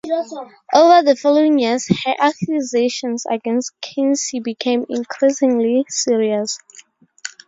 Over the following years, her accusations against Kinsey became increasingly serious.